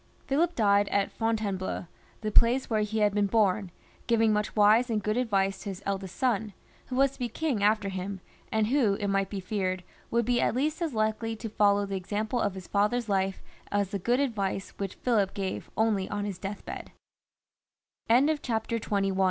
Philip died at Fontainebleau, the place where he had been bom, giving much wise and good advice to his eldest son, who was to be king after him, and who, it might be feared, would be at least as likely to follow the example of his father's life as the good advice which Philip gave only on